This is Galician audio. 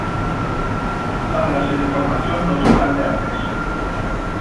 Fálase de formación no tocante á pesca.